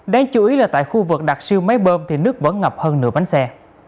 đáng chú ý là tại khu vực đặc siêu máy bơm thì nước vẫn ngập hơn nửa bánh xe